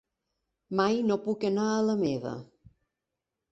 Mai no puc anar a la meva.